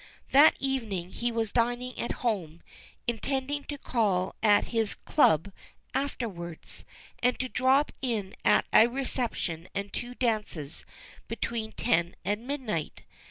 That evening he was dining at home, intending to call at his club afterwards, and to drop in at a reception and two dances between ten and midnight.